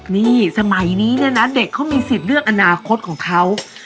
นี่สมัยนี้เนี่ยนะเด็กเขามีสิทธิ์เลือกอนาคตของเขา